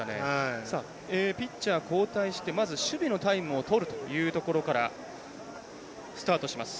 ピッチャー交代してまず守備のタイムをとるというところからスタートします。